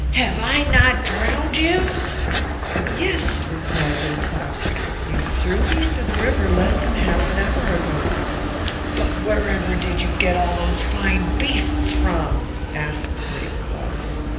"Did I not drown you just now?" "Yes," said Little Claus; "you threw me into the river about half an hour ago." "But wherever did you get all these fine beasts?" asked Great Claus.